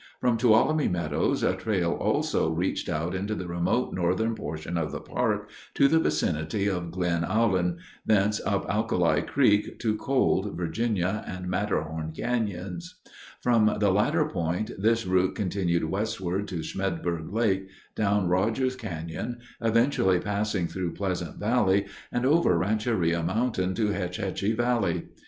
From Tuolumne Meadows a trail also reached out into the remote northern portion of the park to the vicinity of Glen Aulin, thence up Alkali Creek to Cold, Virginia, and Matterhorn canyons. From the latter point this route continued westward to Smedberg Lake, down Rogers Canyon, eventually passing through Pleasant Valley and over Rancheria Mountain to Hetch Hetchy Valley.